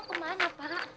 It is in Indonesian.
kita mau kemana pak